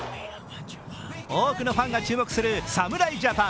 多くのファンが注目する侍ジャパン。